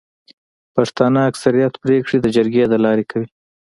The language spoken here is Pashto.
پښتانه اکثريت پريکړي د جرګي د لاري کوي.